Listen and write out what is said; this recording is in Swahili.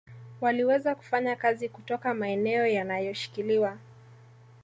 Waliweza kufanya kazi kutoka maeneo yanayoshikiliwa